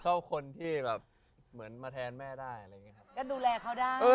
ชอบคนที่แบบเหมือนมาแทนแม่ได้อะไรอย่างเงี้ครับก็ดูแลเขาได้